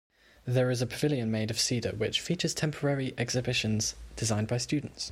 There is a pavilion made of cedar which features temporary exhibitions designed by students.